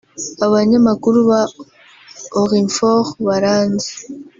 abanyamakuru ba Orinfor baranzi